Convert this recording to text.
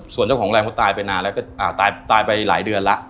ส่วนเจ้าของแรงเขาตายไปนานแล้วก็ตายไปหลายเดือนแล้ว